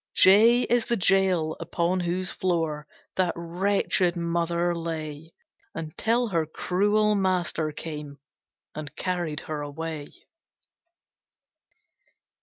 J J is the Jail, upon whose floor That wretched mother lay, Until her cruel master came, And carried her away.